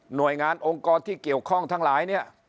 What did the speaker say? หน่วยงานองค์กรที่เกี่ยวข้องทั้งหลายเนี่ย